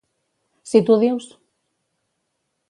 Si tu ho dius!